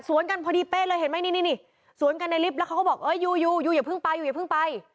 กันพอดีเป๊ะเลยเห็นไหมนี่นี่สวนกันในลิฟต์แล้วเขาก็บอกเออยูอยู่อย่าเพิ่งไปอยู่อย่าเพิ่งไป